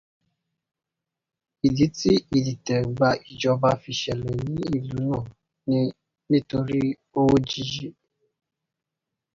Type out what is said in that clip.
Ìdí tí ìdìtẹ̀ gbàjọba fi ṣẹlẹ̀ ní ìlú náà ni nítorí owó jíjí